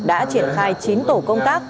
đã triển khai chín tổ công tác